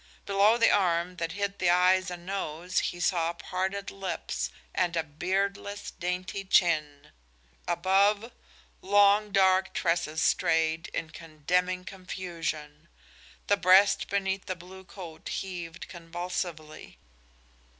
Below the arm that hid the eyes and nose he saw parted lips and a beardless, dainty chin; above, long, dark tresses strayed in condemning confusion. The breast beneath the blue coat heaved convulsively.